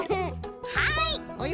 はい！